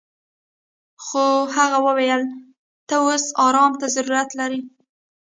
خو هغه وويل ته اوس ارام ته ضرورت لري.